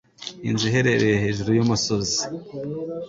Inzu iherereye hejuru yumusozi.